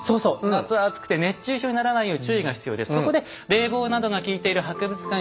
夏は暑くて熱中症にならないよう注意が必要です。